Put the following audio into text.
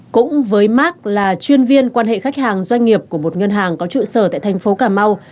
cũng với mark là chuyên viên quan hệ khách hàng doanh nghiệp của một ngân hàng có trụ sở tại thành phố cà mau